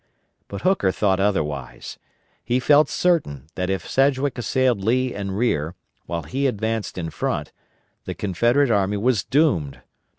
But Hooker thought otherwise. He felt certain that if Sedgwick assailed Lee in rear, while he advanced in front, the Confederate army was doomed.